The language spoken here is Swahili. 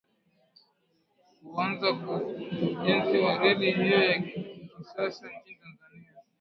Kuanza kwa ujenzi wa reli hiyo ya kisasa nchini Tanzania